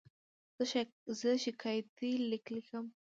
زه شکایتي لیک لیکم.